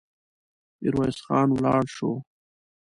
ميرويس خان ولاړ شو.